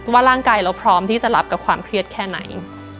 ว่าร่างกายเราพร้อมที่จะรับกับความเครียดแค่ไหน